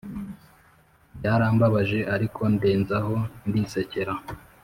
Byarambabaje ariko ndenzaho ndisekera